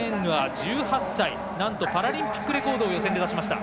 １８歳、なんとパラリンピックレコード予選で出しました。